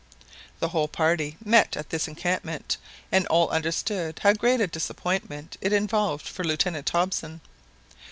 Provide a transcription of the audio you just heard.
The whole party met at this encampment, and all understood how great a disappointment it involved for Lieutenant Hobson.